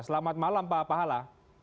selamat malam pak pahala